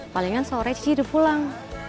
palingan sore sih udah pulang